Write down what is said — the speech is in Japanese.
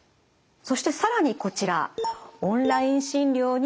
そして更にこちら。